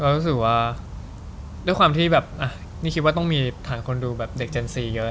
รู้สึกว่าด้วยความที่แบบนี่คิดว่าต้องมีฐานคนดูแบบเด็กเจนซีเยอะ